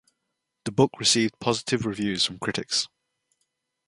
The book received positive reviews from critics.